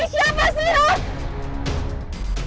lepas su diam